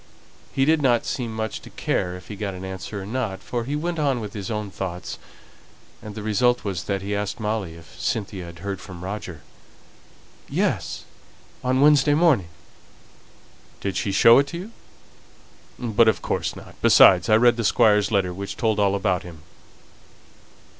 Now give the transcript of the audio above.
He did not seem much to care whether he got an answer or not, for he went on with his own thoughts, and the result was that he asked Molly if Cynthia had heard from Roger. "Yes; on Wednesday morning." "Did she show it to you? But of course not. Besides, I read the Squire's letter, which told all about him."